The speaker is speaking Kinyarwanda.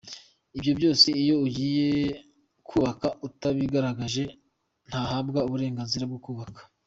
Ibi byose iyo ugiye kubaka atabigaragaje ntahabwa uburenganzira bwo kubaka.